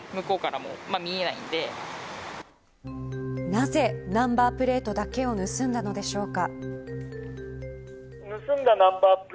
なぜナンバープレートだけを盗んだのでしょうか